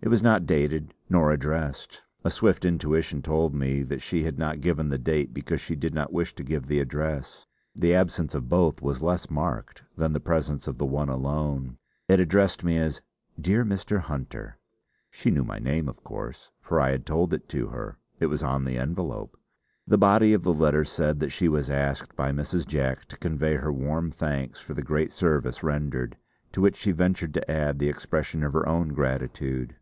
It was not dated nor addressed. A swift intuition told me that she had not given the date because she did not wish to give the address; the absence of both was less marked than the presence of the one alone. It addressed me as "Dear Mr. Hunter." She knew my name, of course, for I had told it to her; it was on the envelope. The body of the letter said that she was asked by Mrs. Jack to convey her warm thanks for the great service rendered; to which she ventured to add the expression of her own gratitude.